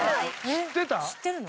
知ってるの？